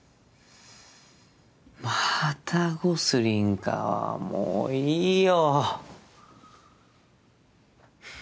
またゴスリンかもういいよ。